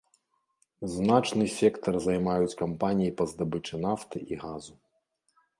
Значны сектар займаюць кампаніі па здабычы нафты і газу.